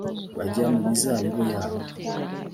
bajya mu mizabibu yabo